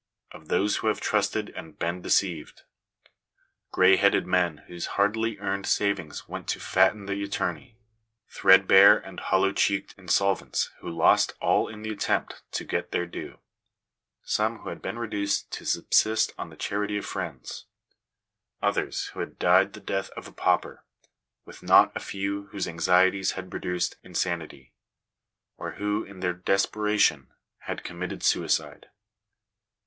259 time — of those who have trusted and been deceived; gray beaded men whose hardly earned savings went to fatten the attorney; threadbare and hollow cheeked insolvents who lost all in the attempt to get their due ; some who had been re duced to subsist on the charity of friends; others who had died the death of a pauper; with not a few whose anxieties had produced insanity, or who in their desperation had com mitted suicide.